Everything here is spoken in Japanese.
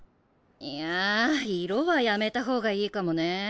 いや色はやめた方がいいかもね。